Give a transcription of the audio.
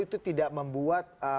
itu tidak membuat